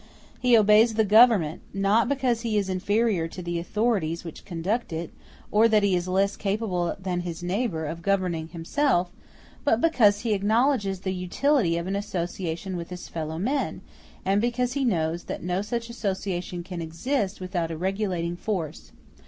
He obeys the government, not because he is inferior to the authorities which conduct it, or that he is less capable than his neighbor of governing himself, but because he acknowledges the utility of an association with his fellow men, and because he knows that no such association can exist without a regulating force.